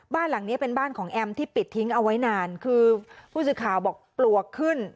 บ้านหลังนี้เป็นบ้านของแอมที่ปิดทิ้งเอาไว้นานคือผู้สื่อข่าวบอกปลวกขึ้น